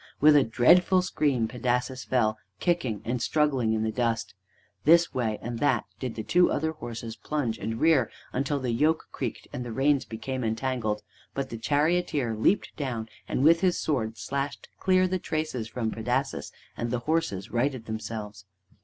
With a dreadful scream Pedasus fell, kicking and struggling, in the dust. This way and that did the other two horses plunge and rear, until the yoke creaked and the reins became entangled. But the charioteer leaped down, with his sword slashed clear the traces from Pedasus, and the horses righted themselves.